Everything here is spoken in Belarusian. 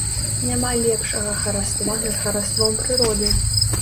Няма лепшага хараства над хараством прыроды.